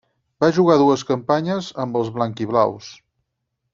Va jugar dues campanyes amb els blanc-i-blaus.